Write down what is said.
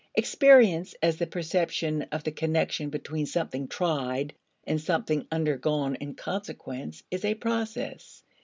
Experience as the perception of the connection between something tried and something undergone in consequence is a process.